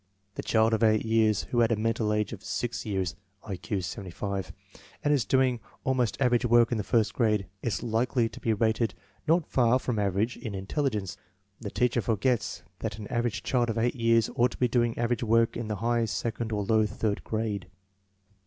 The child of 8 years who has a mental age of 6 years (I Q 75) and is doing almost average work in the first grade, is likely to be rated not far from average in in telligence. The teacher forgets that an average child of 8 years ought to be doing average work in the high second or low third grade.